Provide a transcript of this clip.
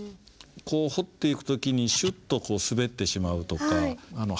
こう彫っていく時にシュッと滑ってしまうとかハプニングがあります。